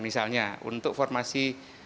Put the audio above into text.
misalnya untuk formasi